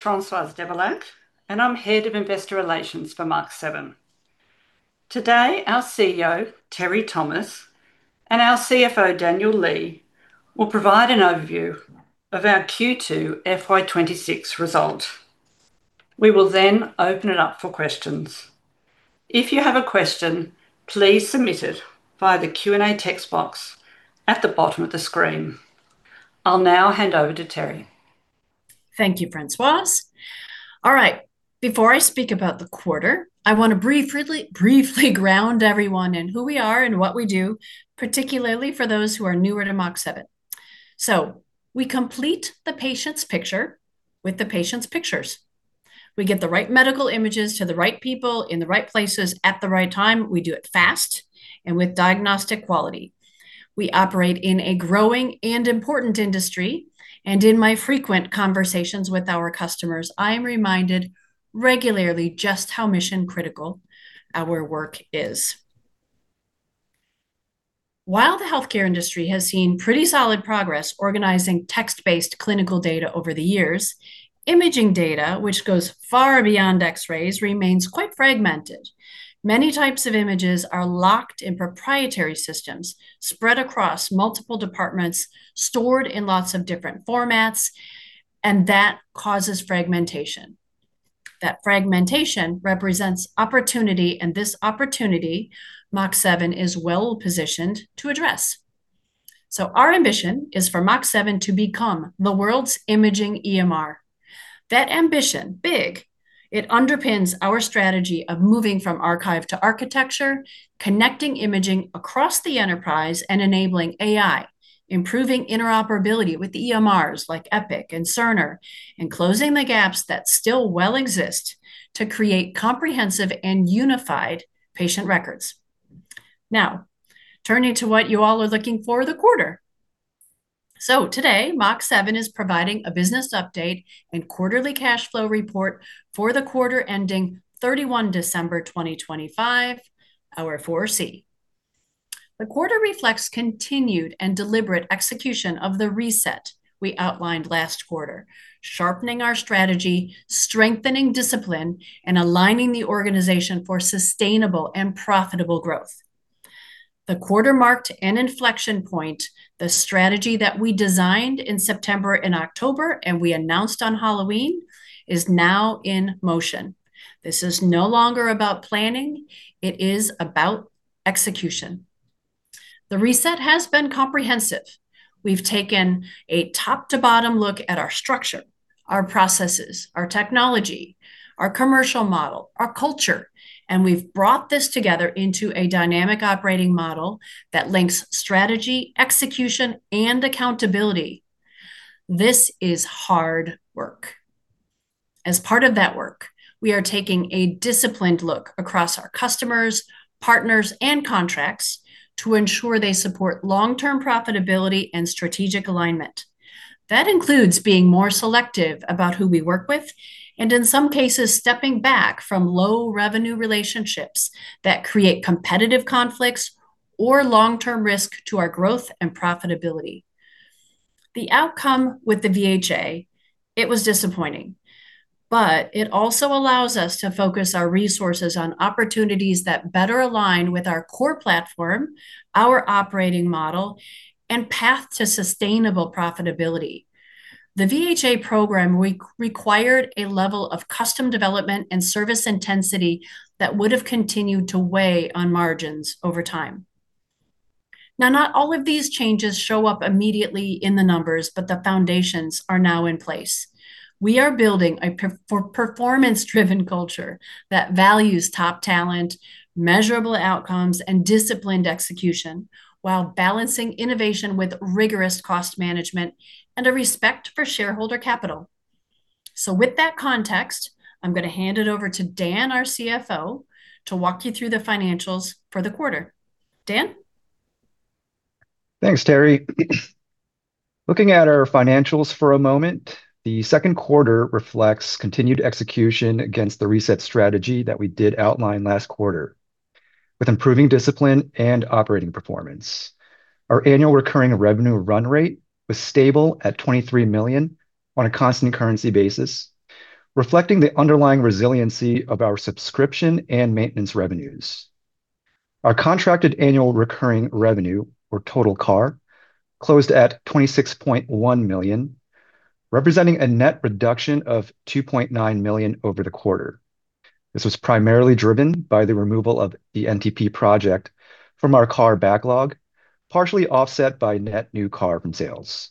Françoise De Bena, and I'm Head of Investor Relations for Mach7. Today, our CEO, Teri Thomas, and our CFO, Daniel Lee, will provide an overview of our Q2 FY26 result. We will then open it up for questions. If you have a question, please submit it via the Q&A text box at the bottom of the screen. I'll now hand over to Teri. Thank you, Françoise. All right, before I speak about the quarter, I want to briefly ground everyone in who we are and what we do, particularly for those who are newer to Mach7. So, we complete the patient's picture with the patient's pictures. We get the right medical images to the right people in the right places at the right time. We do it fast and with diagnostic quality. We operate in a growing and important industry, and in my frequent conversations with our customers, I am reminded regularly just how mission-critical our work is. While the healthcare industry has seen pretty solid progress organizing text-based clinical data over the years, imaging data, which goes far beyond X-rays, remains quite fragmented. Many types of images are locked in proprietary systems, spread across multiple departments, stored in lots of different formats, and that causes fragmentation. That fragmentation represents opportunity, and this opportunity Mach7 is well positioned to address. So, our ambition is for Mach7 to become the world's Imaging EMR. That ambition, big, it underpins our strategy of moving from Archive to Architecture, connecting imaging across the enterprise and enabling AI, improving interoperability with EMRs like Epic and Cerner, and closing the gaps that still exist to create comprehensive and unified patient records. Now, turning to what you all are looking for the quarter. So, today, Mach7 is providing a business update and quarterly cash flow report for the quarter ending 31 December 2025, our 4C. The quarter reflects continued and deliberate execution of the reset we outlined last quarter, sharpening our strategy, strengthening discipline, and aligning the organization for sustainable and profitable growth. The quarter marked an inflection point. The strategy that we designed in September and October and we announced on Halloween is now in motion. This is no longer about planning. It is about execution. The reset has been comprehensive. We've taken a top-to-bottom look at our structure, our processes, our technology, our commercial model, our culture, and we've brought this together into a dynamic operating model that links strategy, execution, and accountability. This is hard work. As part of that work, we are taking a disciplined look across our customers, partners, and contracts to ensure they support long-term profitability and strategic alignment. That includes being more selective about who we work with and, in some cases, stepping back from low-revenue relationships that create competitive conflicts or long-term risk to our growth and profitability. The outcome with the VHA, it was disappointing, but it also allows us to focus our resources on opportunities that better align with our core platform, our operating model, and path to sustainable profitability. The VHA program required a level of custom development and service intensity that would have continued to weigh on margins over time. Now, not all of these changes show up immediately in the numbers, but the foundations are now in place. We are building a performance-driven culture that values top talent, measurable outcomes, and disciplined execution while balancing innovation with rigorous cost management and a respect for shareholder capital. So, with that context, I'm going to hand it over to Dan, our CFO, to walk you through the financials for the quarter. Dan? Thanks, Teri. Looking at our financials for a moment, the second quarter reflects continued execution against the reset strategy that we did outline last quarter, with improving discipline and operating performance. Our annual recurring revenue run rate was stable at 23 million on a constant currency basis, reflecting the underlying resiliency of our subscription and maintenance revenues. Our contracted annual recurring revenue, or total CAR, closed at 26.1 million, representing a net reduction of 2.9 million over the quarter. This was primarily driven by the removal of the NTP project from our CAR backlog, partially offset by net new CAR from sales.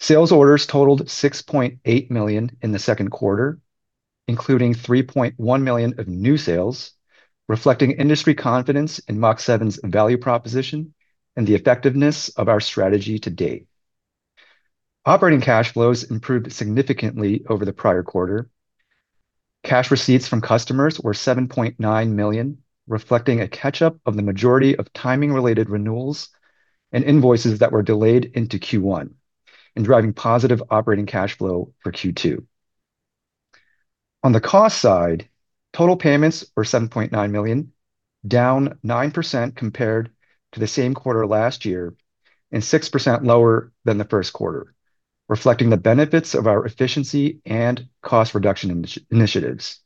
Sales orders totaled 6.8 million in the second quarter, including 3.1 million of new sales, reflecting industry confidence in Mach7's value proposition and the effectiveness of our strategy to date. Operating cash flows improved significantly over the prior quarter. Cash receipts from customers were 7.9 million, reflecting a catch-up of the majority of timing-related renewals and invoices that were delayed into Q1, and driving positive operating cash flow for Q2. On the cost side, total payments were 7.9 million, down 9% compared to the same quarter last year and 6% lower than the first quarter, reflecting the benefits of our efficiency and cost reduction initiatives.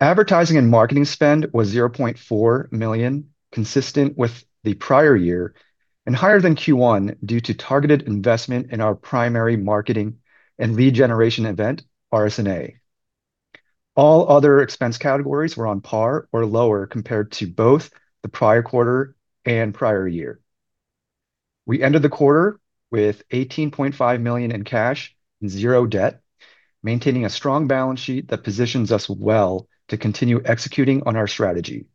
Advertising and marketing spend was 0.4 million, consistent with the prior year, and higher than Q1 due to targeted investment in our primary marketing and lead generation event, RSNA. All other expense categories were on par or lower compared to both the prior quarter and prior year. We ended the quarter with 18.5 million in cash and zero debt, maintaining a strong balance sheet that positions us well to continue executing on our strategy.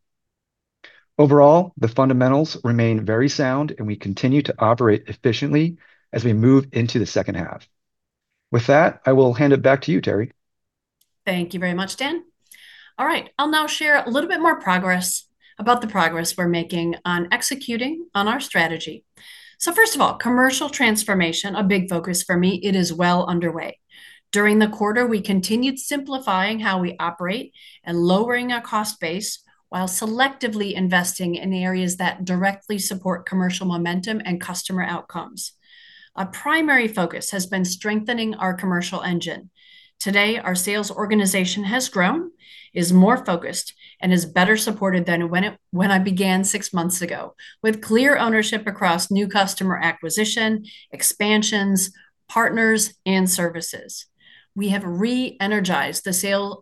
Overall, the fundamentals remain very sound, and we continue to operate efficiently as we move into the second half. With that, I will hand it back to you, Teri. Thank you very much, Dan. All right, I'll now share a little bit more progress about the progress we're making on executing on our strategy. So, first of all, commercial transformation, a big focus for me, it is well underway. During the quarter, we continued simplifying how we operate and lowering our cost base while selectively investing in areas that directly support commercial momentum and customer outcomes. A primary focus has been strengthening our commercial engine. Today, our sales organization has grown, is more focused, and is better supported than when I began six months ago, with clear ownership across new customer acquisition, expansions, partners, and services. We have re-energized the sales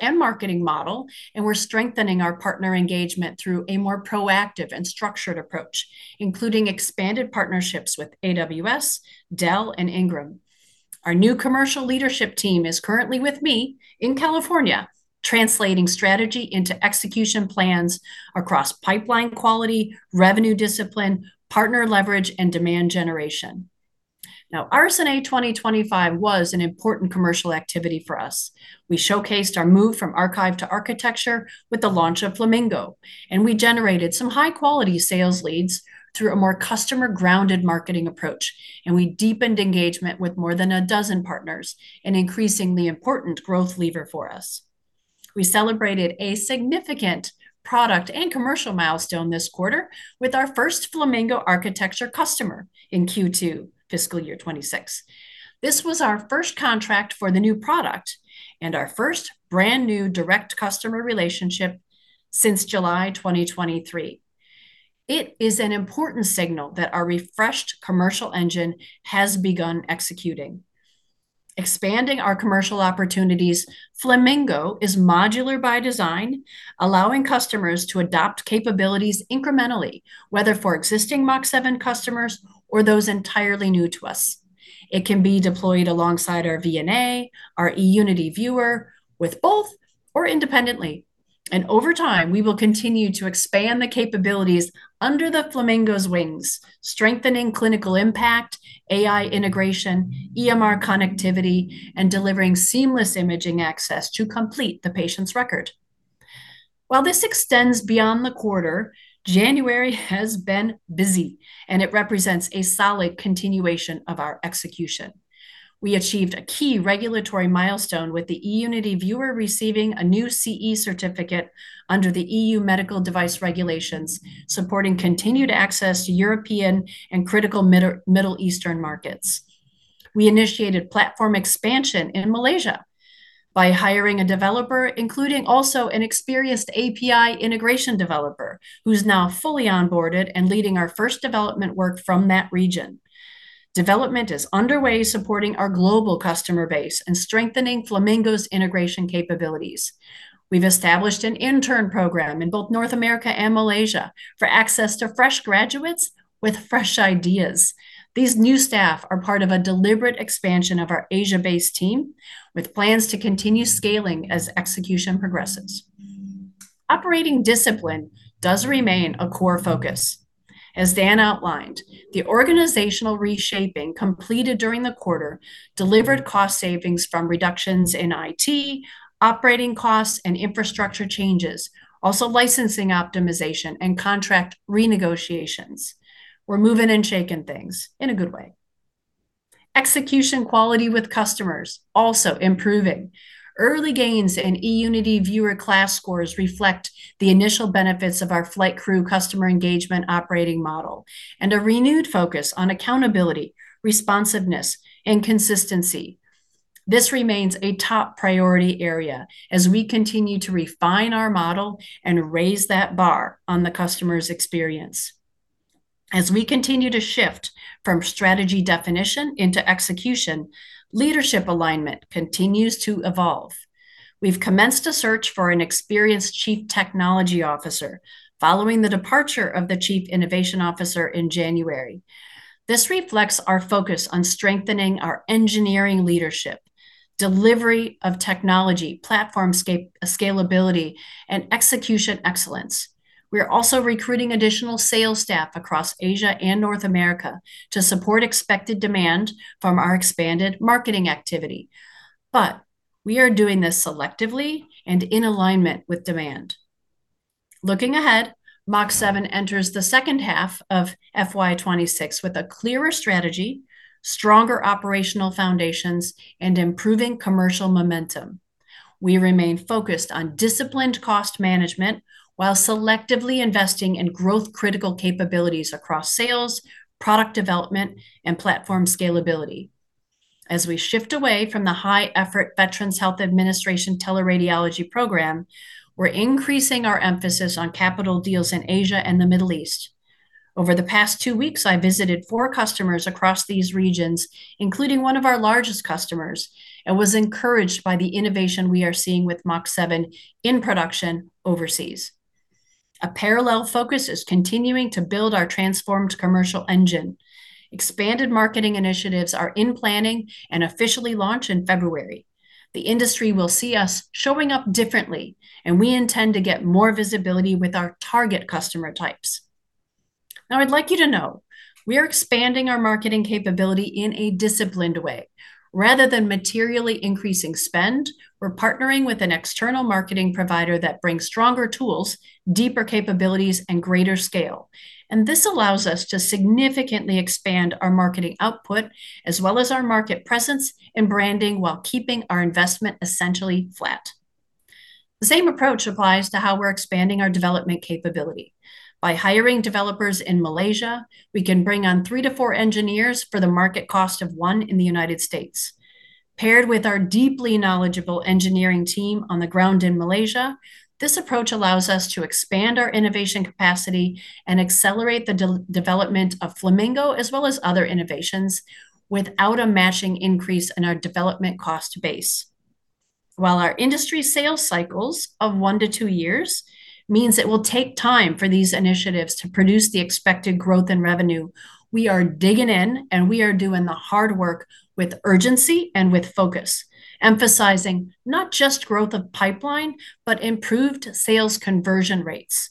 and marketing model, and we're strengthening our partner engagement through a more proactive and structured approach, including expanded partnerships with AWS, Dell, and Ingram. Our new commercial leadership team is currently with me in California, translating strategy into execution plans across pipeline quality, revenue discipline, partner leverage, and demand generation. Now, RSNA 2025 was an important commercial activity for us. We showcased our move from archive to architecture with the launch of Flamingo, and we generated some high-quality sales leads through a more customer-grounded marketing approach, and we deepened engagement with more than a dozen partners, an increasingly important growth lever for us. We celebrated a significant product and commercial milestone this quarter with our first Flamingo architecture customer in Q2, fiscal year 2026. This was our first contract for the new product and our first brand new direct customer relationship since July 2023. It is an important signal that our refreshed commercial engine has begun executing. Expanding our commercial opportunities, Flamingo is modular by design, allowing customers to adopt capabilities incrementally, whether for existing Mach7 customers or those entirely new to us. It can be deployed alongside our VNA, our eUnity viewer, with both or independently. Over time, we will continue to expand the capabilities under the Flamingo's wings, strengthening clinical impact, AI integration, EMR connectivity, and delivering seamless imaging access to complete the patient's record. While this extends beyond the quarter, January has been busy, and it represents a solid continuation of our execution. We achieved a key regulatory milestone with the eUnity viewer receiving a new CE certificate under the EU medical device regulations, supporting continued access to European and critical Middle Eastern markets. We initiated platform expansion in Malaysia by hiring a developer, including also an experienced API integration developer, who's now fully onboarded and leading our first development work from that region. Development is underway, supporting our global customer base and strengthening Flamingo's integration capabilities. We've established an intern program in both North America and Malaysia for access to fresh graduates with fresh ideas. These new staff are part of a deliberate expansion of our Asia-based team, with plans to continue scaling as execution progresses. Operating discipline does remain a core focus. As Dan outlined, the organizational reshaping completed during the quarter delivered cost savings from reductions in IT, operating costs, and infrastructure changes, also licensing optimization and contract renegotiations. We're moving and shaking things in a good way. Execution quality with customers also improving. Early gains in eUnity viewer KLAS scores reflect the initial benefits of our flywheel customer engagement operating model and a renewed focus on accountability, responsiveness, and consistency. This remains a top priority area as we continue to refine our model and raise that bar on the customer's experience. As we continue to shift from strategy definition into execution, leadership alignment continues to evolve. We've commenced a search for an experienced chief technology officer following the departure of the chief innovation officer in January. This reflects our focus on strengthening our engineering leadership, delivery of technology, platform scalability, and execution excellence. We're also recruiting additional sales staff across Asia and North America to support expected demand from our expanded marketing activity. But we are doing this selectively and in alignment with demand. Looking ahead, Mach7 enters the second half of FY26 with a clearer strategy, stronger operational foundations, and improving commercial momentum. We remain focused on disciplined cost management while selectively investing in growth-critical capabilities across sales, product development, and platform scalability. As we shift away from the high-effort Veterans Health Administration teleradiology program, we're increasing our emphasis on capital deals in Asia and the Middle East. Over the past two weeks, I visited four customers across these regions, including one of our largest customers, and was encouraged by the innovation we are seeing with Mach7 in production overseas. A parallel focus is continuing to build our transformed commercial engine. Expanded marketing initiatives are in planning and officially launched in February. The industry will see us showing up differently, and we intend to get more visibility with our target customer types. Now, I'd like you to know we are expanding our marketing capability in a disciplined way. Rather than materially increasing spend, we're partnering with an external marketing provider that brings stronger tools, deeper capabilities, and greater scale. This allows us to significantly expand our marketing output as well as our market presence and branding while keeping our investment essentially flat. The same approach applies to how we're expanding our development capability. By hiring developers in Malaysia, we can bring on 3-4 engineers for the market cost of one in the United States. Paired with our deeply knowledgeable engineering team on the ground in Malaysia, this approach allows us to expand our innovation capacity and accelerate the development of Flamingo as well as other innovations without a matching increase in our development cost base. While our industry sales cycles of 1-2 years mean it will take time for these initiatives to produce the expected growth and revenue, we are digging in, and we are doing the hard work with urgency and with focus, emphasizing not just growth of pipeline, but improved sales conversion rates.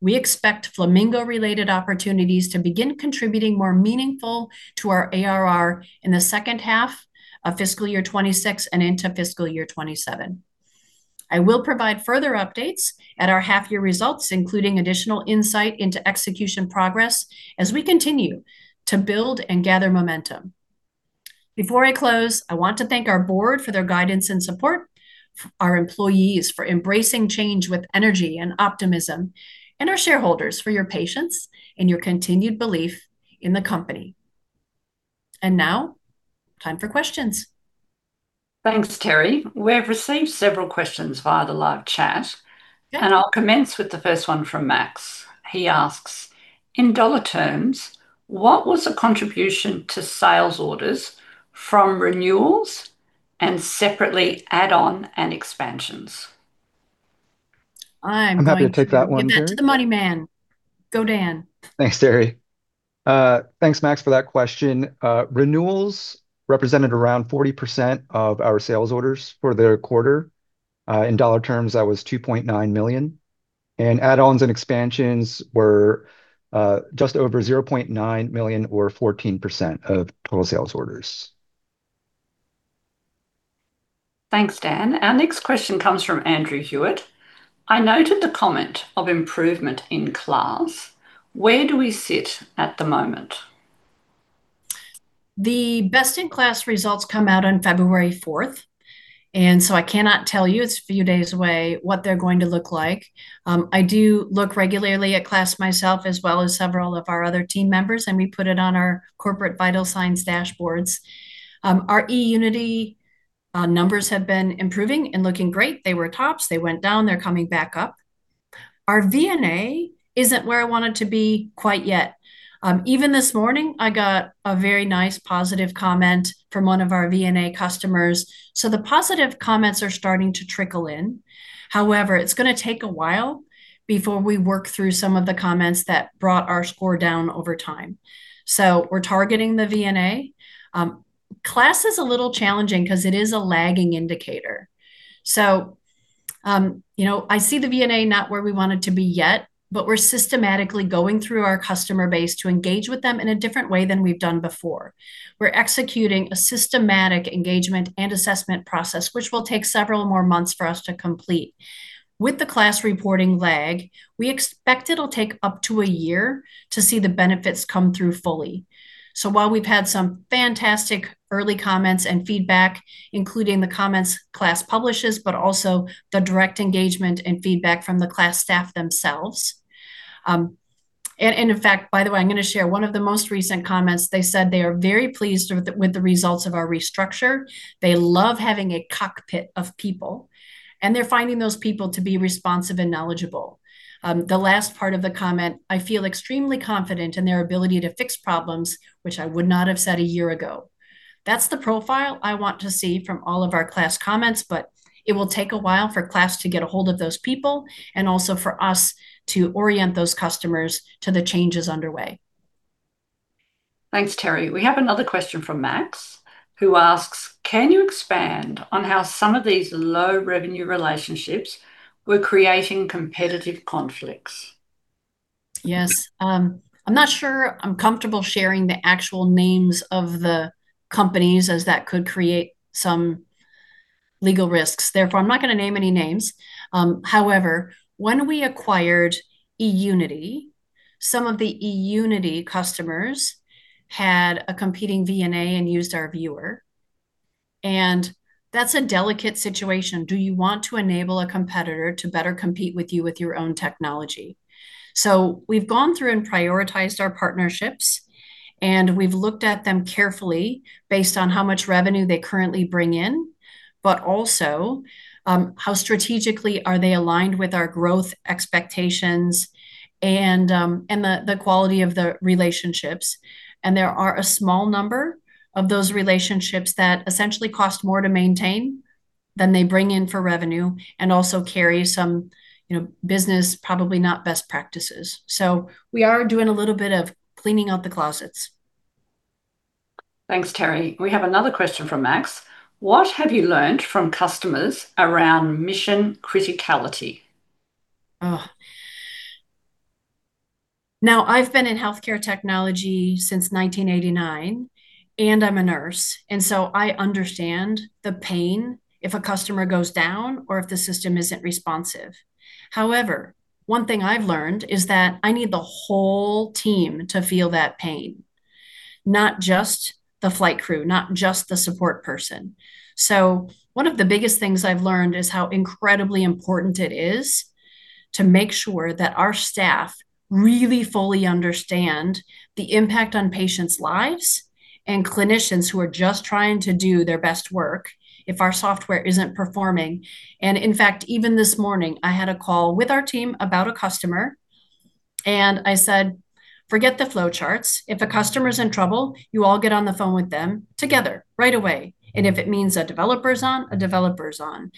We expect Flamingo-related opportunities to begin contributing more meaningfully to our ARR in the second half of fiscal year 2026 and into fiscal year 2027. I will provide further updates at our half-year results, including additional insight into execution progress as we continue to build and gather momentum. Before I close, I want to thank our board for their guidance and support, our employees for embracing change with energy and optimism, and our shareholders for your patience and your continued belief in the company. And now, time for questions. Thanks, Teri. We have received several questions via the live chat, and I'll commence with the first one from Max. He asks, "In dollar terms, what was the contribution to sales orders from renewals and separately add-on and expansions? I'm happy to take that one, Teri. That's the money man. Go, Dan. Thanks, Teri. Thanks, Max, for that question. Renewals represented around 40% of our sales orders for the quarter. In dollar terms, that was 2.9 million. Add-ons and expansions were just over 0.9 million, or 14% of total sales orders. Thanks, Dan. Our next question comes from Andrew Hewitt. I noted the comment of improvement in KLAS. Where do we sit at the moment? The best-in-class results come out on February 4th. So I cannot tell you what they're going to look like. It's a few days away. I do look regularly at KLAS myself, as well as several of our other team members, and we put it on our corporate vital signs dashboards. Our eUnity numbers have been improving and looking great. They were tops. They went down. They're coming back up. Our VNA isn't where I want it to be quite yet. Even this morning, I got a very nice positive comment from one of our VNA customers. So the positive comments are starting to trickle in. However, it's going to take a while before we work through some of the comments that brought our score down over time. So we're targeting the VNA. KLAS is a little challenging because it is a lagging indicator. So I see the VNA not where we want it to be yet, but we're systematically going through our customer base to engage with them in a different way than we've done before. We're executing a systematic engagement and assessment process, which will take several more months for us to complete. With the KLAS reporting lag, we expect it'll take up to a year to see the benefits come through fully. So while we've had some fantastic early comments and feedback, including the comments KLAS publishes, but also the direct engagement and feedback from the KLAS staff themselves. And in fact, by the way, I'm going to share one of the most recent comments. They said they are very pleased with the results of our restructure. They love having a cockpit of people, and they're finding those people to be responsive and knowledgeable. The last part of the comment, "I feel extremely confident in their ability to fix problems, which I would not have said a year ago." That's the profile I want to see from all of our KLAS comments, but it will take a while for KLAS to get a hold of those people and also for us to orient those customers to the changes underway. Thanks, Teri. We have another question from Max, who asks, "Can you expand on how some of these low-revenue relationships were creating competitive conflicts? Yes. I'm not sure I'm comfortable sharing the actual names of the companies, as that could create some legal risks. Therefore, I'm not going to name any names. However, when we acquired eUnity, some of the eUnity customers had a competing VNA and used our viewer. And that's a delicate situation. Do you want to enable a competitor to better compete with you with your own technology? So we've gone through and prioritized our partnerships, and we've looked at them carefully based on how much revenue they currently bring in, but also how strategically are they aligned with our growth expectations and the quality of the relationships. And there are a small number of those relationships that essentially cost more to maintain than they bring in for revenue and also carry some business, probably not best practices. So we are doing a little bit of cleaning out the closets. Thanks, Teri. We have another question from Max. What have you learned from customers around mission criticality? Now, I've been in healthcare technology since 1989, and I'm a nurse. And so I understand the pain if a customer goes down or if the system isn't responsive. However, one thing I've learned is that I need the whole team to feel that pain, not just the flight crew, not just the support person. So one of the biggest things I've learned is how incredibly important it is to make sure that our staff really fully understand the impact on patients' lives and clinicians who are just trying to do their best work if our software isn't performing. And in fact, even this morning, I had a call with our team about a customer, and I said, "Forget the flow charts. If a customer's in trouble, you all get on the phone with them together right away. If it means a developer's on, a developer's on."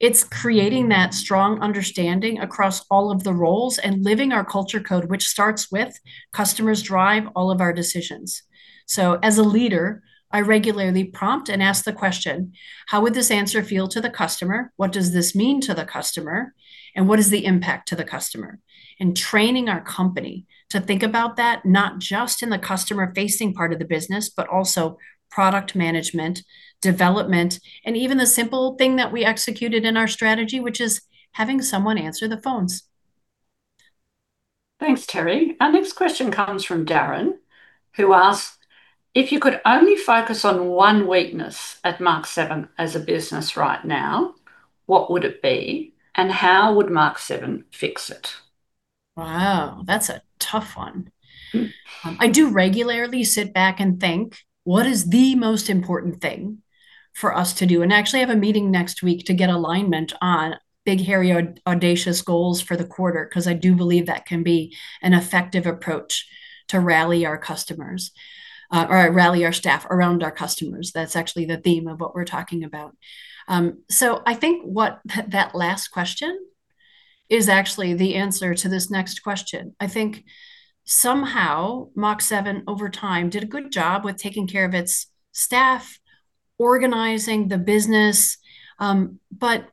It's creating that strong understanding across all of the roles and living our culture code, which starts with "Customers drive all of our decisions." As a leader, I regularly prompt and ask the question, "How would this answer feel to the customer? What does this mean to the customer? And what is the impact to the customer?" and training our company to think about that, not just in the customer-facing part of the business, but also product management, development, and even the simple thing that we executed in our strategy, which is having someone answer the phones. Thanks, Teri. Our next question comes from Daren, who asked, "If you could only focus on one weakness at Mach7 as a business right now, what would it be? And how would Mach7 fix it? Wow, that's a tough one. I do regularly sit back and think, "What is the most important thing for us to do?" And I actually have a meeting next week to get alignment on big, hairy, audacious goals for the quarter because I do believe that can be an effective approach to rally our customers or rally our staff around our customers. That's actually the theme of what we're talking about. So I think that last question is actually the answer to this next question. I think somehow Mach7, over time, did a good job with taking care of its staff, organizing the business, but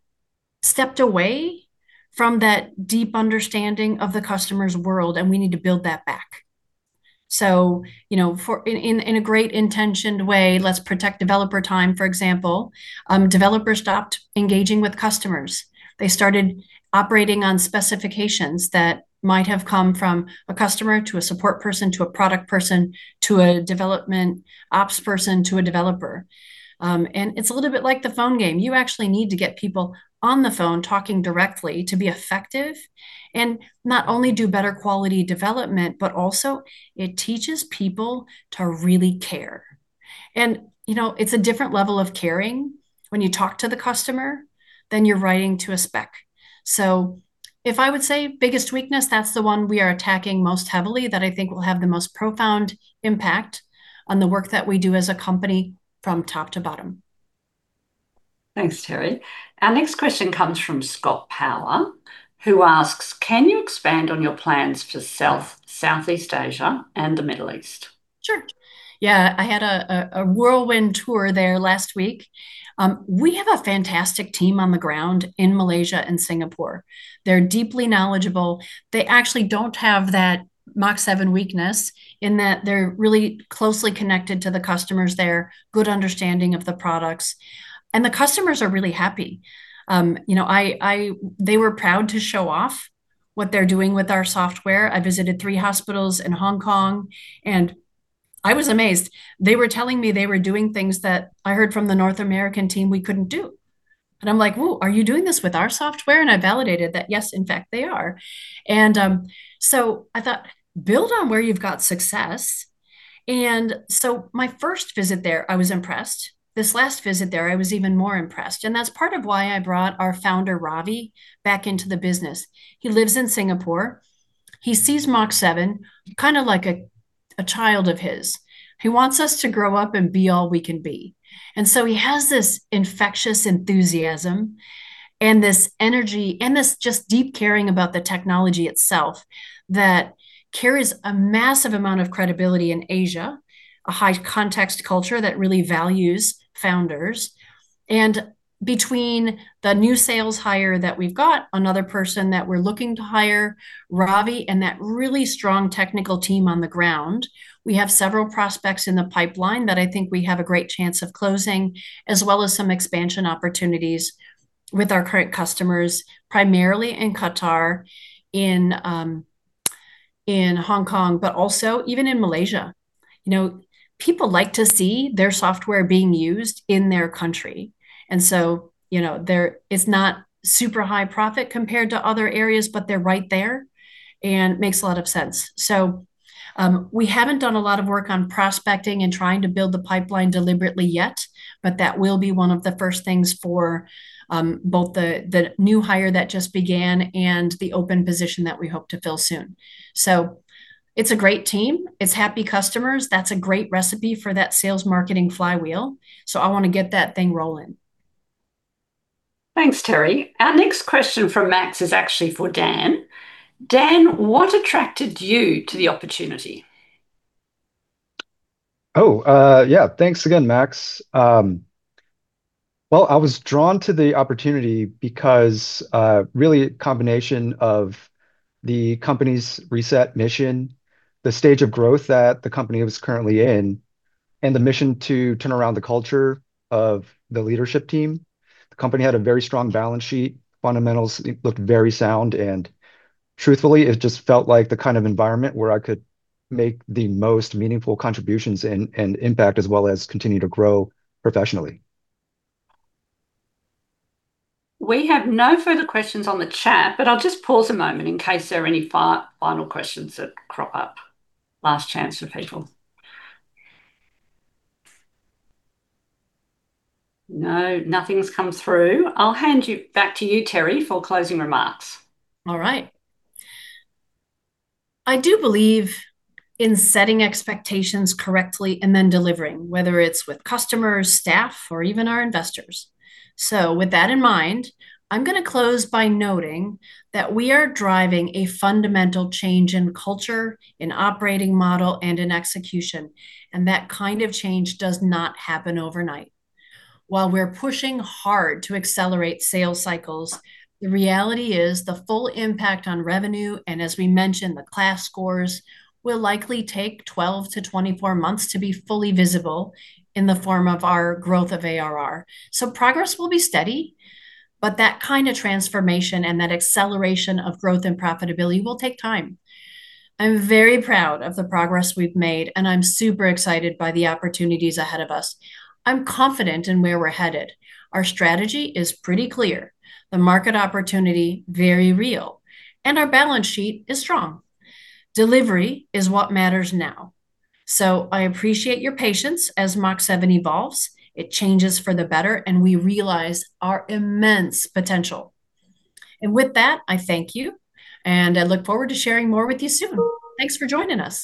stepped away from that deep understanding of the customer's world, and we need to build that back. So in a great intentioned way, let's protect developer time, for example. Developers stopped engaging with customers. They started operating on specifications that might have come from a customer to a support person to a product person to a development ops person to a developer. It's a little bit like the phone game. You actually need to get people on the phone talking directly to be effective and not only do better quality development, but also it teaches people to really care. It's a different level of caring when you talk to the customer than you're writing to a spec. So if I would say biggest weakness, that's the one we are attacking most heavily that I think will have the most profound impact on the work that we do as a company from top to bottom. Thanks, Teri. Our next question comes from Scott Power, who asks, "Can you expand on your plans for Southeast Asia and the Middle East? Sure. Yeah, I had a whirlwind tour there last week. We have a fantastic team on the ground in Malaysia and Singapore. They're deeply knowledgeable. They actually don't have that Mach7 weakness in that they're really closely connected to the customers there, good understanding of the products. And the customers are really happy. They were proud to show off what they're doing with our software. I visited three hospitals in Hong Kong, and I was amazed. They were telling me they were doing things that I heard from the North American team we couldn't do. And I'm like, "Whoa, are you doing this with our software?" And I validated that, yes, in fact, they are. And so I thought, "Build on where you've got success." And so my first visit there, I was impressed. This last visit there, I was even more impressed. That's part of why I brought our founder, Ravi, back into the business. He lives in Singapore. He sees Mach7 kind of like a child of his. He wants us to grow up and be all we can be. So he has this infectious enthusiasm and this energy and this just deep caring about the technology itself that carries a massive amount of credibility in Asia, a high-context culture that really values founders. And between the new sales hire that we've got, another person that we're looking to hire, Ravi, and that really strong technical team on the ground, we have several prospects in the pipeline that I think we have a great chance of closing, as well as some expansion opportunities with our current customers, primarily in Qatar, in Hong Kong, but also even in Malaysia. People like to see their software being used in their country. And so it's not super high profit compared to other areas, but they're right there and makes a lot of sense. So we haven't done a lot of work on prospecting and trying to build the pipeline deliberately yet, but that will be one of the first things for both the new hire that just began and the open position that we hope to fill soon. So it's a great team. It's happy customers. That's a great recipe for that sales marketing flywheel. So I want to get that thing rolling. Thanks, Teri. Our next question from Max is actually for Dan. Dan, what attracted you to the opportunity? Oh, yeah. Thanks again, Max. Well, I was drawn to the opportunity because really a combination of the company's reset mission, the stage of growth that the company was currently in, and the mission to turn around the culture of the leadership team. The company had a very strong balance sheet. Fundamentals looked very sound. And truthfully, it just felt like the kind of environment where I could make the most meaningful contributions and impact, as well as continue to grow professionally. We have no further questions on the chat, but I'll just pause a moment in case there are any final questions that crop up. Last chance for people. No, nothing's come through. I'll hand you back to you, Teri, for closing remarks. All right. I do believe in setting expectations correctly and then delivering, whether it's with customers, staff, or even our investors. So with that in mind, I'm going to close by noting that we are driving a fundamental change in culture, in operating model, and in execution. That kind of change does not happen overnight. While we're pushing hard to accelerate sales cycles, the reality is the full impact on revenue and, as we mentioned, the KLAS scores will likely take 12-24 months to be fully visible in the form of our growth of ARR. Progress will be steady, but that kind of transformation and that acceleration of growth and profitability will take time. I'm very proud of the progress we've made, and I'm super excited by the opportunities ahead of us. I'm confident in where we're headed. Our strategy is pretty clear. The market opportunity is very real, and our balance sheet is strong. Delivery is what matters now. I appreciate your patience as Mach7 evolves. It changes for the better, and we realize our immense potential. With that, I thank you, and I look forward to sharing more with you soon. Thanks for joining us.